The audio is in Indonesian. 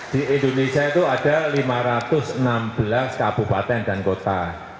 di indonesia itu ada lima ratus enam belas kabupaten dan kota